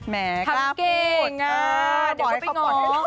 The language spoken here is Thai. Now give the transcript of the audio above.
แหมทำเก่งอยู่กันไปง้อ